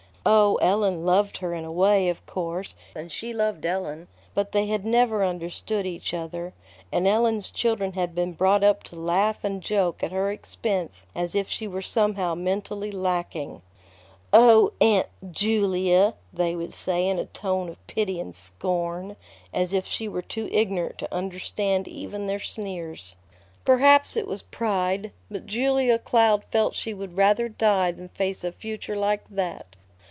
Oh, Ellen loved her in a way, of course, and she loved Ellen; but they had never understood each other, and Ellen's children had been brought up to laugh and joke at her expense as if she were somehow mentally lacking. "O Aunt _Ju_lia!" they would say in a tone of pity and scorn, as if she were too ignorant to understand even their sneers. Perhaps it was pride, but Julia Cloud felt she would rather die than face a future like that.